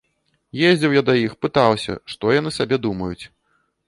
Ездзіў я да іх, пытаўся, што яны сабе думаюць.